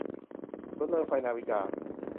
อสูรเริงไฟ - นาวิกา